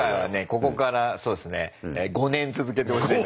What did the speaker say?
ここからそうですね５年続けてほしいなと。